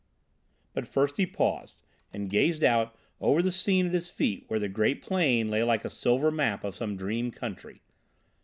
But first he paused and gazed out over the scene at his feet where the great plain lay like a silver map of some dream country.